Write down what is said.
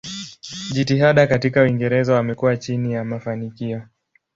Jitihada katika Uingereza wamekuwa chini ya mafanikio.